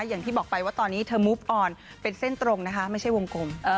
อย่างที่บอกไปว่าตอนนี้เธอมุบอ่อนเป็นเส้นตรงนะคะไม่ใช่วงกลม